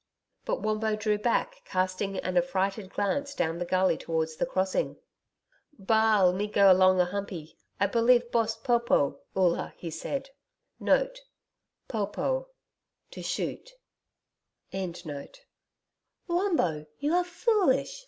] But Wombo drew back, casting an affrighted glance down the gully towards the crossing. 'Ba'al me go long a Humpey I believe Boss PHO PHO*, Oola,' he said. [*Pho pho To shoot.] 'Wombo, you are foolish.